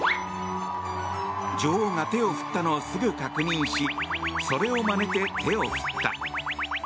女王が手を振ったのをすぐ確認しそれをまねて手を振った。